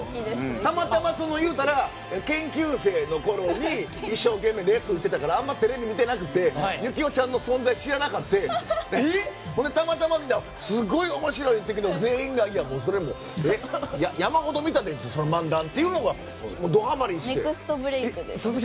たまたま、いうたら研究生のころに一生懸命レッスンしてたからあまりテレビ見てなくて行雄ちゃんの存在知らなくてたまたま見たらすごい面白いって言ったけど全員がいや、それもう山ほど見たでその漫談っていうのがドはまりして。